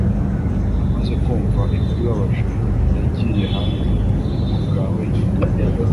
Amaze kumva inkuru ibabaje yagiye hanze kuba wenyine